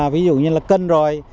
ví dụ như là cân rồi